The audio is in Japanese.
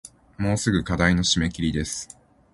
もうすぐ課題の締切です